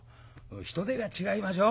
人出が違いましょう。